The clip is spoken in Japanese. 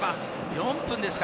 ４分ですか。